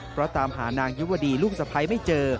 เพราะตามหานางยุวดีลูกสะพ้ายไม่เจอ